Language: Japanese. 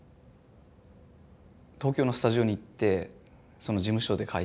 東京のスタジオに行ってその事務所で書いてたんですけど。